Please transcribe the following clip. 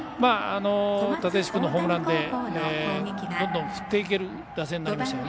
立石君のホームランでどんどん振っていける打線になりました。